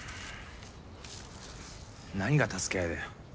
何が助け合いだよ。